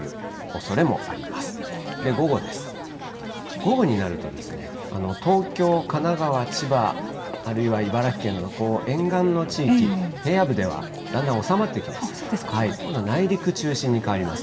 午後になると、東京、神奈川、千葉、あるいは茨城県など、沿岸の地域、平野部ではだんだん収まってきます。